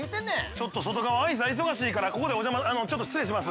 ◆ちょっと外側アイスは忙しいからここでちょっと失礼します。